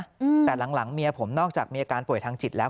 อืมแต่หลังหลังเมียผมนอกจากมีอาการป่วยทางจิตแล้ว